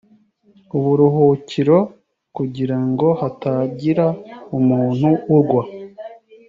uburuhukiro kugira ngo hatagira umuntu ugwa